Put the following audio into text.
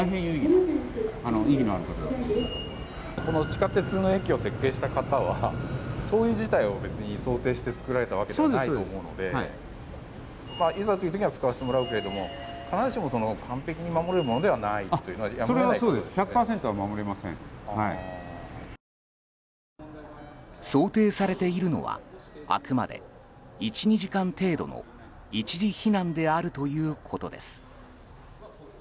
地下鉄の駅を設計した方はそういう事態を、別に想定して作られたわけではないと思うのでいざという時には使わせてもらうけども必ずしも完璧に守れるものではないと。想定されているのはあくまで１２時間程度の一時避難であるということです。